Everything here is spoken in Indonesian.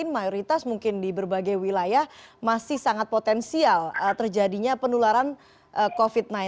mayoritas mungkin di berbagai wilayah masih sangat potensial terjadinya penularan covid sembilan belas